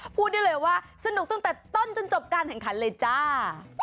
พูดได้เลยว่าสนุกตั้งแต่ต้นจนจบการแข่งขันเลยจ้า